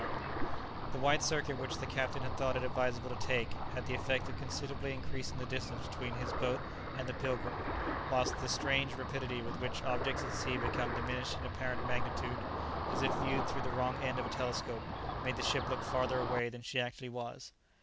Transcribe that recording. [Illustration: The whale seemed utterly unconscious of the attack that was threatening it] The wide circuit which the captain had thought it advisable to take had the effect of considerably increasing the distance between his boat and the "Pilgrim," whilst the strange rapidity with which objects at sea become diminished in apparent magnitude, as if viewed through the wrong end of a telescope, made the ship look farther away than she actually was.